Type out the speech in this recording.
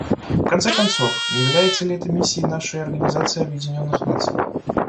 В конце концов, не является ли это миссией нашей Организации Объединенных Наций?